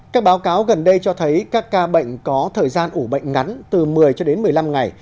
các báo cáo gần đây cho thấy các ca bệnh có thời gian ủ bệnh ngắn từ một mươi cho đến một mươi năm ngày